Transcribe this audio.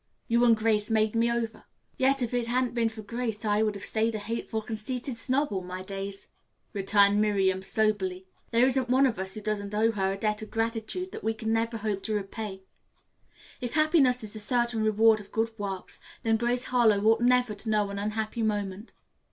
You and Grace made me over." "Yet, if it hadn't been for Grace I would have stayed a hateful, conceited snob all my days," returned Miriam soberly. "There isn't one of us who doesn't owe her a debt of gratitude that we can never hope to repay. If happiness is the certain reward of good works, then Grace Harlowe ought never to know an unhappy moment."